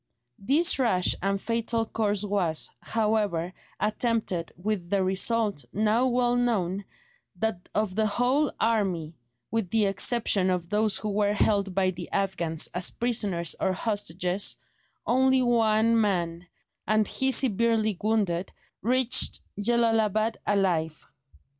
This rash and fatal course was, however, attempted, with the result, now well known, that of the whole army, with the exception of those who were held by the Afghans as prisoners or hostages, only one man, and he severely wounded, reached Jellalabad alive.